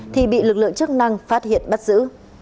thì bị lực lượng chức năng phát hiện bắt giữ